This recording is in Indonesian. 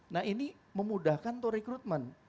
nah ini memudahkan to recruitment